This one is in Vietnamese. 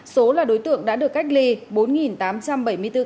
số là đối tượng đã được cách ly bốn tám trăm bảy mươi bốn ca